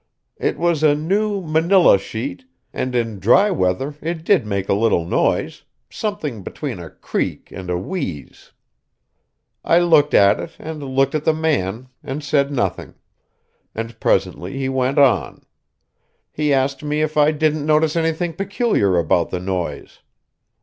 It was a new manilla sheet; and in dry weather it did make a little noise, something between a creak and a wheeze. I looked at it and looked at the man, and said nothing; and presently he went on. He asked me if I didn't notice anything peculiar about the noise.